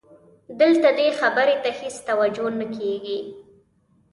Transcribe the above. دلته دې خبرې ته هېڅ توجه نه کېږي.